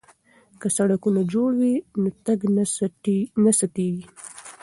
که سړکونه جوړ وي نو تګ نه ستیږي.